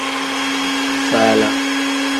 Faala.